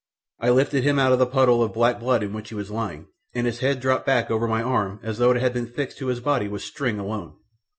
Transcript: I lifted him up out of the puddle of black blood in which he was lying, and his head dropped back over my arm as though it had been fixed to his body with string alone.